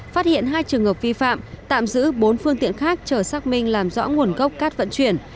phát hiện hai trường hợp vi phạm tạm giữ bốn phương tiện khác chờ xác minh làm rõ nguồn gốc cát vận chuyển